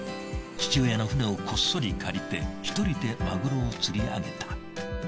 父親の船をこっそり借りて一人でマグロを釣り上げた。